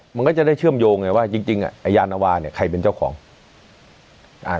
มันก็จะได้เชื่อมโยงไงว่าจริงจริงอ่ะไอ้ยานวาเนี่ยใครเป็นเจ้าของอ่า